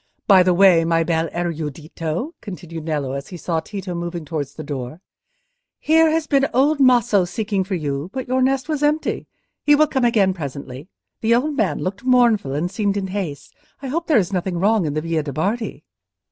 By the way, my bel erudito," continued Nello, as he saw Tito moving towards the door, "here has been old Maso seeking for you, but your nest was empty. He will come again presently. The old man looked mournful, and seemed in haste. I hope there is nothing wrong in the Via de' Bardi."